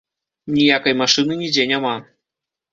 Ніякай машыны нідзе няма.